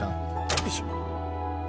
よいしょ。